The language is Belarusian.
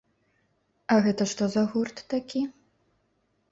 А гэта што за гурт такі?